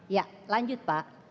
ya lanjut pak